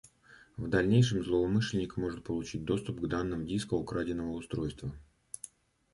В дальнейшем злоумышленник сможет получить доступ к данным диска украденного устройства